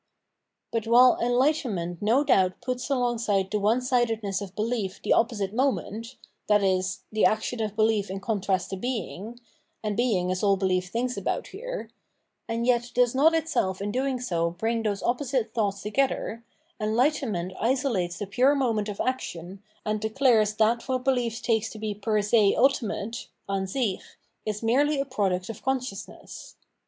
But while enhghtenment no doubt puts alongside the one sidedness of behef the opposite moment, viz. the The Struggle of EnligMenment with Superstition 575 action of belief in contrast to being — and being is all belief thinks about here, — and yet does not itself in doing so bring those opposite thoughts together, en lightenment isolates the pure moment of action, and declares that what behef takes to be per se ultimate (Ansich) is merely a product of consciousness.